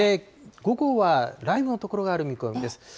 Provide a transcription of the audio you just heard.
午後は雷雨の所がある見込みです。